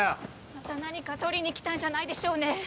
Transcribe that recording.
また何か取りにきたんじゃないでしょうね